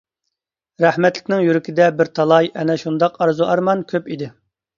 رەھمەتلىكنىڭ يۈرىكىدە بىر تالاي، ئەنە شۇنداق ئارزۇ-ئارمان كۆپ ئىدى.